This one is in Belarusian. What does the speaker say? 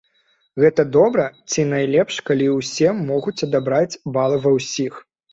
Гэта добра, ці найлепш калі ўсе могуць адабраць балы ва ўсіх?